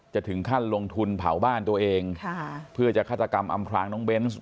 จะถึงขั้นลงทุนเผาบ้านตัวเองเพื่อจะฆาตกรรมอำพลางน้องเบนส์